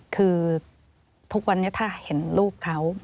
คือทุกวันนี้ถ้าเห็นลูกเขา